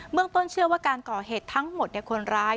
เมืองต้นเชื่อว่าการก่อเหตุทั้งหมดคนร้าย